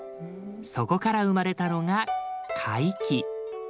そこから生まれたのが甲斐絹。